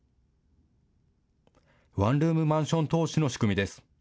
ワンルームマンション投資の仕組みです。